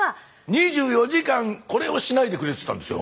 ２４時間これをしないでくれって言ったんですよ。